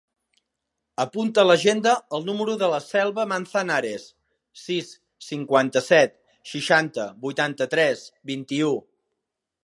Apunta a l'agenda el número de la Selva Manzanares: sis, cinquanta-set, seixanta, vuitanta-tres, vint-i-u.